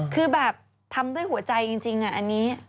คือแบบทำด้วยหัวใจจริงอันนี้